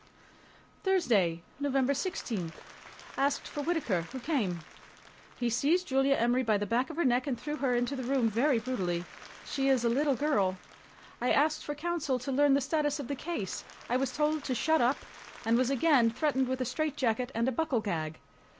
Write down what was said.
THURSDAY, NOVEMBER 16 .... Asked for Whittaker, who came. He seized Julia Emory by the back of her neck and threw her into the room very brutally. She is a little girl. I asked for counsel to learn the status of the case. I was told to "shut up," and was again threatened with a straitjacket and a buckle gag.